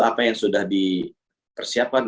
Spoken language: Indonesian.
apa yang sudah dipersiapkan